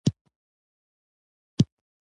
د ننی ورځې ډیپلوماسي شفافه او ښکاره ده